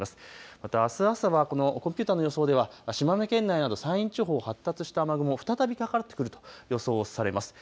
またあす朝はこのコンピューターの予想では島根県など山陰地方、発達した雨雲、再びかかってくると予想されます。